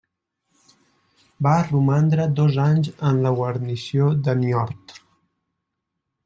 Va romandre dos anys en la guarnició de Niort.